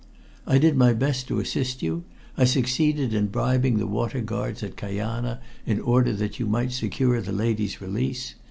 I did my best to assist you. I succeeded in bribing the water guards at Kajana in order that you might secure the lady's release.